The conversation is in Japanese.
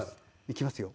いきますよ。